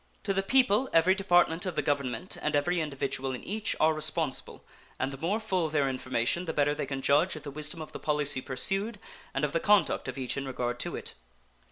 To the people every department of the Government and every individual in each are responsible, and the more full their information the better they can judge of the wisdom of the policy pursued and of the conduct of each in regard to it.